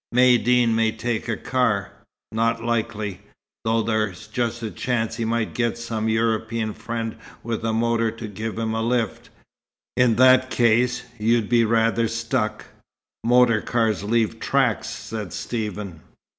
"Maïeddine may take a car." "Not likely. Though there's just a chance he might get some European friend with a motor to give him a lift. In that case, you'd be rather stuck." "Motor cars leave tracks," said Stephen.